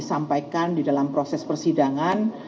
sampaikan di dalam proses persidangan